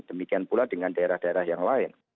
demikian pula dengan daerah daerah yang lain